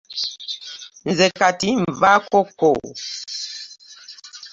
Nzw kati nvaaako kko .